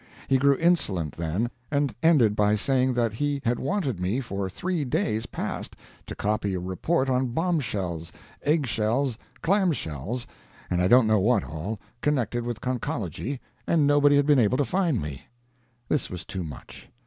He grew insolent then, and ended by saying he had wanted me for three days past to copy a report on bomb shells, egg shells, clamshells, and I don't know what all, connected with conchology, and nobody had been able to find me. This was too much.